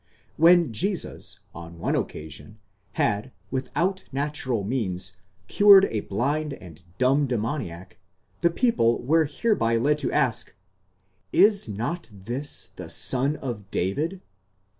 When Jesus on one occasion had (with out natural means) cured a blind and dumb demoniac, the people were hereby led to ask: Js not this the son of David?